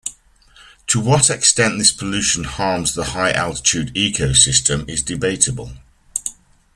To what extent this pollution harms the high-altitude ecosystem is debatable.